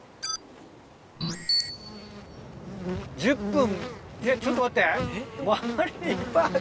１０分。